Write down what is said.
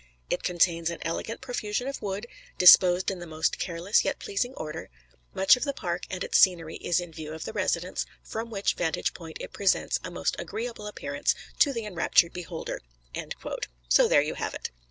It contains an elegant profusion of wood, disposed in the most careless yet pleasing order; much of the park and its scenery is in view of the residence, from which vantage point it presents a most agreeable appearance to the enraptured beholder." So there you have it!